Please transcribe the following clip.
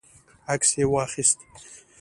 عکس یې واخیست.